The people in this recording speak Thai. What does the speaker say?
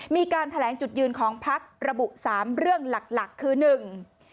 มีการทะแหลงจุดยืนของพักษ์ระบุ๓เรื่องหลักคือหนึ่ง